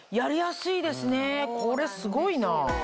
これすごいな。